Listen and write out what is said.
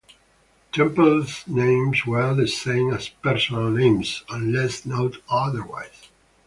Temple names were the same as personal names, unless noted otherwise.